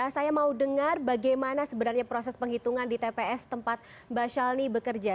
saya mau dengar bagaimana sebenarnya proses penghitungan di tps tempat mbak shelni bekerja